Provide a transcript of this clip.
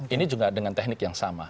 ini juga dengan teknik yang sama